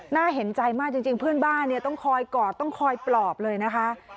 น่าเห็นใจมากจริงเพื่อนบ้านเนี่ยต้องคอยกอดต้องคอยปลอบเลยนะคะ